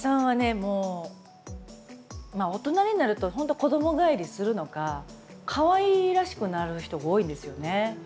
もうまあ大人になると本当子供返りするのかかわいらしくなる人が多いんですよね。